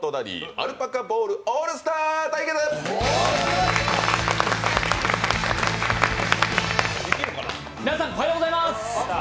アルパカボールオールスター対決皆さん、おはようございます！